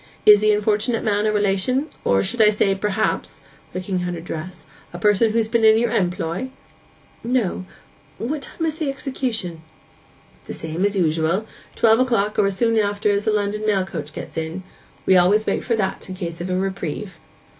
Is the unfortunate man a relation; or, I should say, perhaps' (looking at her dress) 'a person who's been in your employ?' 'No. What time is the execution?' 'The same as usual—twelve o'clock, or as soon after as the London mail coach gets in. We always wait for that, in case of a reprieve.